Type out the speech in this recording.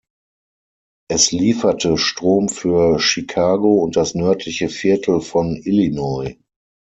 Es lieferte Strom für Chicago und das nördliche Viertel von Illinois.